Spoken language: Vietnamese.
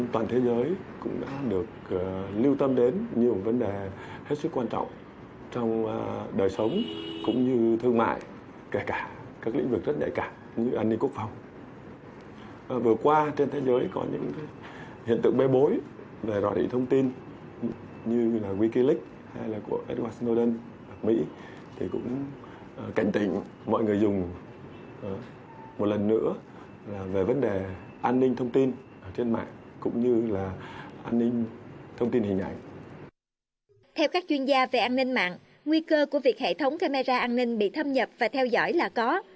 theo các chuyên gia về an ninh mạng nguy cơ của việc hệ thống camera an ninh bị thâm nhập và theo dõi là có